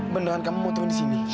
bendungan kamu mau turun di sini